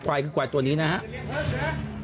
ควายคือควายตัวนี้นะครับ